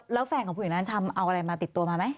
แล้วแฟนของผู้หญิงนั้นทำเอาอะไรมาติดตัวมาไหม